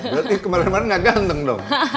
berarti kemarin kemarin nggak ganteng dong